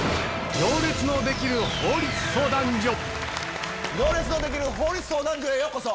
『行列のできる法律相談所』へようこそ。